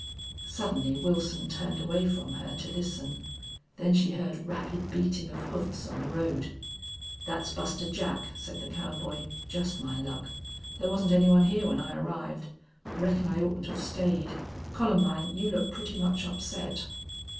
Suddenly Wilson turned away from her to listen. Then she heard rapid beating of hoofs on the road. "That's Buster Jack," said the cowboy. "Just my luck! There wasn't any one here when I arrived. Reckon I oughtn't have stayed. Columbine, you look pretty much upset."